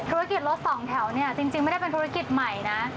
ธุรกิจรถสองแถวจริงไม่ได้เป็นธุรกิจใหม่นะ